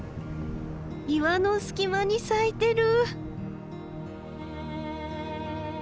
岩の隙間に咲いてる！